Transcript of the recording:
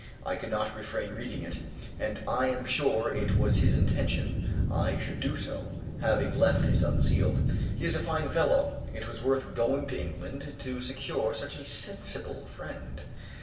I could not refrain reading it; and, I am sure, it was his intention I should do so, having left it unsealed. He is a fine fellow; it was worth going to England, to secure such a sensible friend.